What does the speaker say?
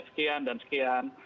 sekian dan sekian